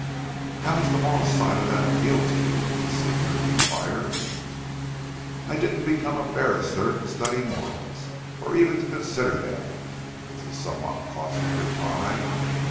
"How does the moral side of that appeal to you?" his senior enquired. "I didn't become a barrister to study morals, or even to consider them," was the somewhat caustic reply.